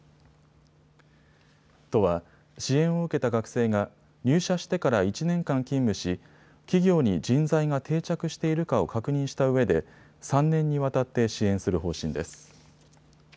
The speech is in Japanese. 都は、支援を受けた学生が入社してから１年間、勤務し企業に人材が定着しているかを確認したうえで３年にわたって支援する方針です。